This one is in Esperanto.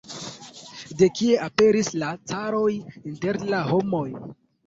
De kie aperis la caroj inter la homoj?